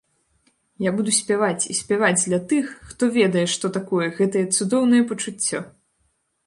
Я буду спяваць і спяваць для тых, хто ведае што такое гэтае цудоўнае пачуццё!